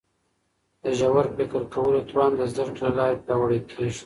د ژور فکر کولو توان د زده کړي له لارې پیاوړی کیږي.